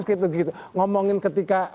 gitu gitu ngomongin ketika